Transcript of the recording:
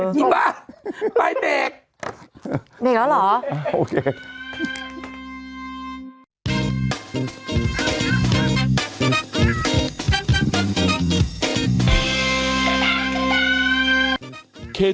นี่ป่ะไปเด็ก